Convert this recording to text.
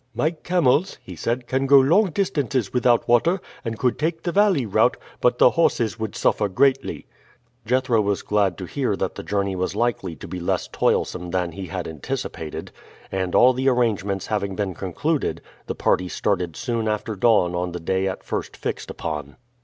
"My camels," he said, "can go long distances without water, and could take the valley route, but the horses would suffer greatly." Jethro was glad to hear that the journey was likely to be less toilsome than he had anticipated; and all the arrangements having been concluded, the party started soon after dawn on the day at first fixed upon.